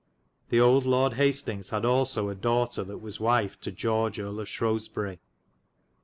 The olde Lorde Hastings had also a dowghtar that was wyfe to George Erie of Shrobbesbyri.